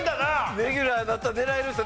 レギュラーだったら狙えるんですよ。